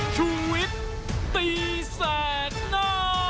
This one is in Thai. ชุวิตตีแสงหน้า